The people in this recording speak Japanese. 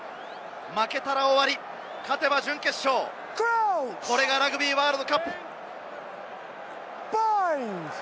負けたら終わり、勝てば準決勝、これがラグビーワールドカップ。